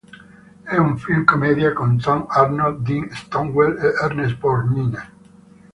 È un film commedia con Tom Arnold, Dean Stockwell e Ernest Borgnine.